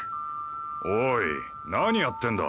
おい何やってんだ。